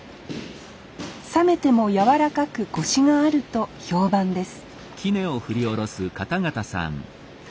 冷めても柔らかくこしがあると評判です